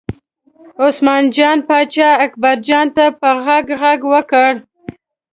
عثمان جان پاچا اکبرجان ته په غږ غږ وکړ.